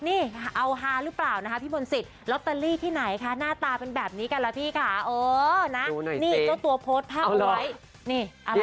เอาฮารึเปล่านะคะพี่มนศิษย์ล็อตเตอรี่ที่ไหนคะหน้าตาเป็นแบบนี้กันล่ะพี่ค่ะโอ้ตัวโพสต์พาบไว้